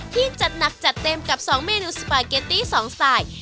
ที่จัดหนักจัดเต็มกับ๒เมนูสปาเกตตี้๒สาย